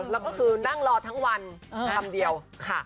เราก็นั่งรอทั้งวันคำเดียวค่ะ